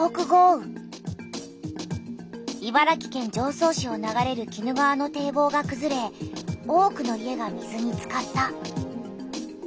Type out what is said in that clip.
茨城県常総市を流れる鬼怒川の堤防がくずれ多くの家が水につかった。